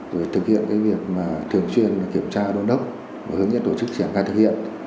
rồi thực hiện cái việc mà thường xuyên kiểm tra đôn đốc và hướng nhất tổ chức triển khai thực hiện